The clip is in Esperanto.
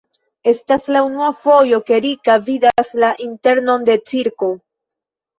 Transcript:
Estas la unua fojo, ke Rika vidas la internon de cirko.